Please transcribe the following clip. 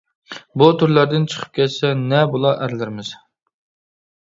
بۇ تۈرلەردىن چىقىپ كەتسە نە بولا ئەرلىرىمىز.